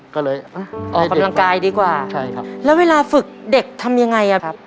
ก็เลยอ่ะออกกำลังกายดีกว่าใช่ครับแล้วเวลาฝึกเด็กทำยังไงอ่ะครับ